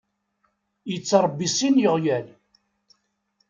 Yettṛebbi sin n yiɣyal.